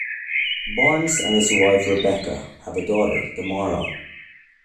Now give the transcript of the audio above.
Barnes and his wife, Rebecca, have a daughter, Damara.